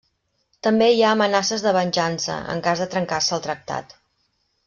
També hi ha amenaces de venjança, en cas de trencar-se el tractat.